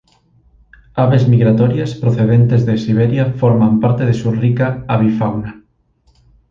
Aves migratorias procedentes de Siberia forman parte de su rica avifauna.